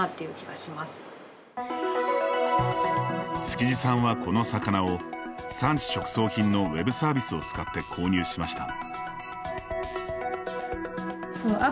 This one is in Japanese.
築地さんは、この魚を産地直送品のＷｅｂサービスを使って購入しました。